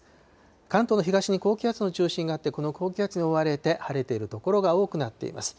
関東の東に高気圧の中心があって、この高気圧に覆われて、晴れている所が多くなっています。